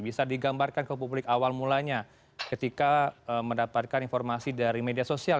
bisa digambarkan ke publik awal mulanya ketika mendapatkan informasi dari media sosial